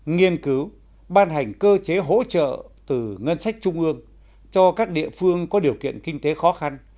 nghiên cứu ban hành cơ chế hỗ trợ từ ngân sách trung ương cho các địa phương có điều kiện kinh tế khó khăn